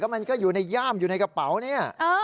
มันก็อยู่ในย่ามอยู่ในกระเป๋าเนี่ย